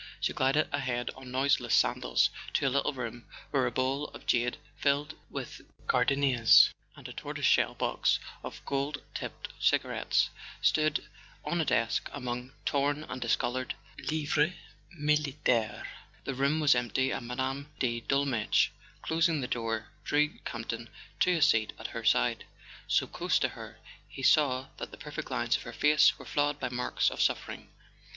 She glided ahead on noiseless sandals to a little room where a bowl of jade filled with gardenias, and a tor¬ toise shell box of gold tipped cigarettes, stood on a desk among torn and discoloured livrets militaires. The room was empty, and Mme. de Dolmetsch, closing the door, drew Campton to a seat at her side. So close to her, he saw that the perfect lines of her face were flawed by marks of suffering.